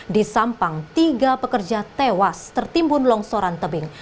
di sampang tiga pekerja tewas tertimbun longsoran tebing